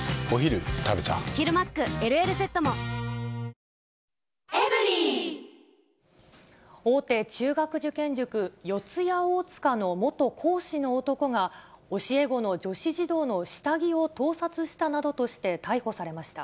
めまいにはオレンジの漢方セラピー大手中学受験塾、四谷大塚の元講師の男が、教え子の女子児童の下着を盗撮したなどとして逮捕されました。